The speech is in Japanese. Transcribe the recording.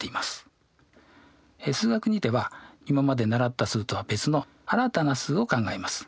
「数学Ⅱ」では今まで習った数とは別の新たな数を考えます。